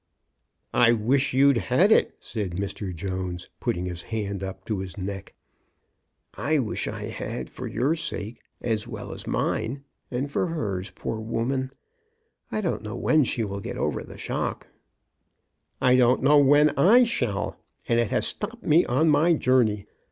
I wish you'd had it," said Mr. Jones, put ting his hand up to his neck. " I wish I had, for your sake as well as mine, MRS. BROWN DOES ESCAPE. 57 and for hers, poor woman. I don't know when she will get over the shock." " I don't know when I shall. And it has stopped me on my journey.